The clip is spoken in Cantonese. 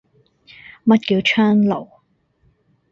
乜叫窗爐